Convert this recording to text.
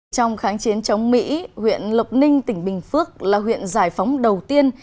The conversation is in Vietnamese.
trong kháng chiến chống mỹ huyện lộc ninh tỉnh bình phước là huyện giải phóng đầu tiên